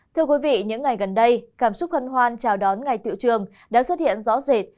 thưa quý vị những ngày gần đây cảm xúc hân hoan chào đón ngày tiệu trường đã xuất hiện rõ rệt